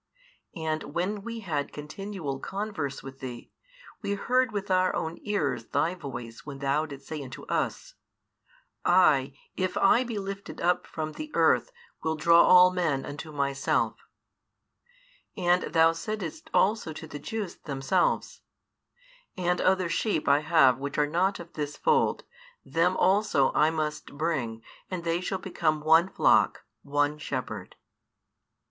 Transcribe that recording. And when we had continual converse with Thee, we heard with our own ears Thy voice when Thou didst say unto us, I, if I be lifted up from the earth, will draw all men unto Myself; and Thou saidst also to the Jews themselves, And other sheep I have which are not of this fold; them also I must bring, and they shall become one flock, one shepherd.